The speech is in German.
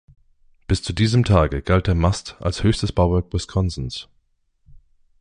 Bis zu diesem Tage galt der Mast als höchstes Bauwerk Wisconsins.